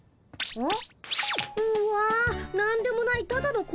うん。